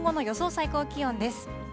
最高気温です。